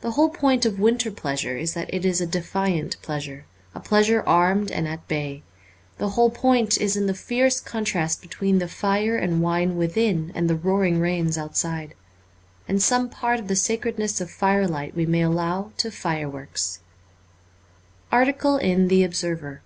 The whole point of winter pleasure is that it is a defiant pleasure, a pleasure armed and at bay. The whole point is in the fierce contrast between the fire and wine within and the roaring rains outside. And some part of the sacredness of firelight we may allow to fireworks. Article in ' The Observer.'